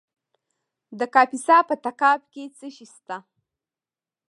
د کاپیسا په تګاب کې څه شی شته؟